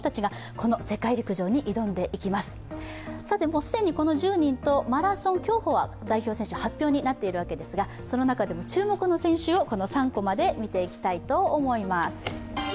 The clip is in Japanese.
もう既にこの１０人とマラソン、競歩は代表選手、発表になっているわけですが、その中でも注目の選手を３コマで見ていきたいと思います。